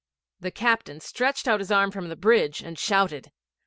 The captain stretched out his arm from the bridge and shouted.